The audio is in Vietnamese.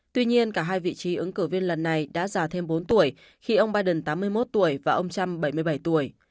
tuy nhiên cả hai vị trí ứng cử viên lần này đã già thêm bốn tuổi khi ông biden tám mươi một tuổi và ông trump bảy mươi bảy tuổi